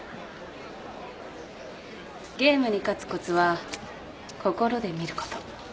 ゲームに勝つコツは心で見ること。